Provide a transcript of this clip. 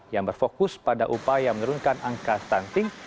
yang berfokus pada upaya menurunkan angka stunting